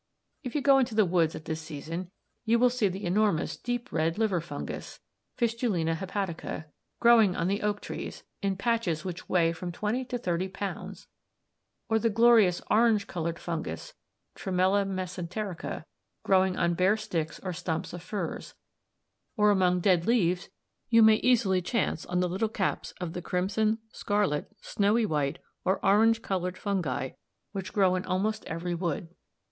If you go into the woods at this season you may see the enormous deep red liver fungus (Fistulina hepatica) growing on the oak trees, in patches which weigh from twenty to thirty pounds; or the glorious orange coloured fungus (Tremella mesenterica) growing on bare sticks or stumps of furze; or among dead leaves you may easily chance on the little caps of the crimson, scarlet, snowy white, or orange coloured fungi which grow in almost every wood.